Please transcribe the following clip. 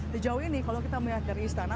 sejauh ini kalau kita melihat dari istana